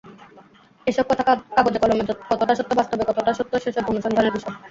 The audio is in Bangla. এসব কথা কাগজে কলমে কতটা সত্য, বাস্তবে কতটা সত্য, সেসব অনুসন্ধানের বিষয়।